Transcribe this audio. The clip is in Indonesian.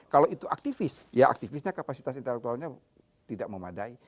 kalau itu aktivis ya aktivisnya kapasitas intelektualnya tidak memadai